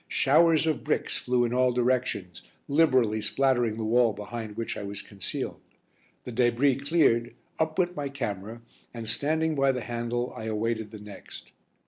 Showers of bricks flew in all directions, liberally splattering the wall behind which I was concealed. The débris cleared, up went my camera, and, standing by the handle, I awaited the next.